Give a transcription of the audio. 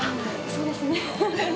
そうですね。